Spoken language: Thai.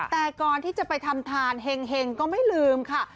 แต่ก่อนที่จะไปทำทานเห็งก็ไม่ลืมค่ะ